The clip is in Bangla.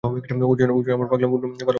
ওর জন্য আমার পাগলামোপূর্ণ ভালোবাসাও ভুলে যায়।